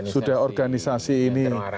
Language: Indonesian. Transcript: sudah organisasi ini